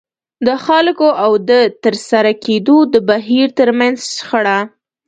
د خلکو او د ترسره کېدو د بهير ترمنځ شخړه.